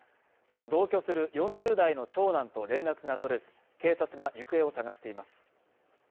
同居する４０代の長男と連絡が取れず、警察が行方を捜しています。